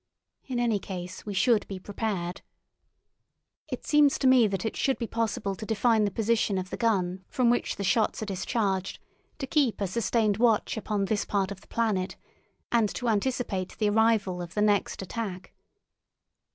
In any case, we should be prepared. It seems to me that it should be possible to define the position of the gun from which the shots are discharged, to keep a sustained watch upon this part of the planet, and to anticipate the arrival of the next attack.